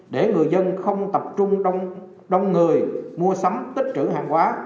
để người dân không tập trung đông người mua sắm tích trữ hàng hóa